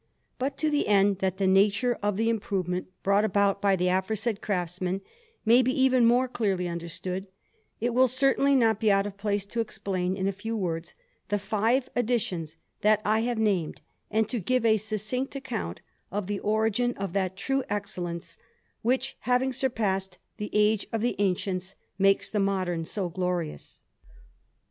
But to the end that the nature of the improvement brought about by the aforesaid craftsmen may be even more clearly understood, it will certainly not be out of place to explain in a few words the five additions that I have named, and to give a succinct account of the origin of that true excellence which, having surpassed the age of the ancients, makes the modern so glorious.